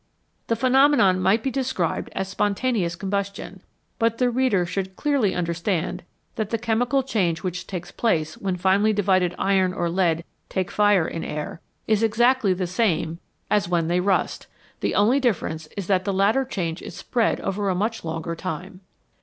The pheno menon might be described as " spontaneous combustion," but the reader should clearly understand that the chemi cal change which takes place when finely divided iron or lead take fire in air is exactly the same as when 127 HOW FIRE IS MADE they rust ; the only difference is that the latter change is spread over a much longer time.